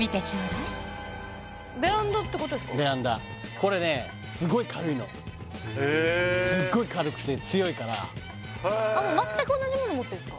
これねへえすっごい軽くて強いからへえ全く同じもの持ってんすか？